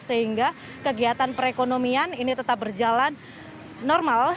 sehingga kegiatan perekonomian ini tetap berjalan normal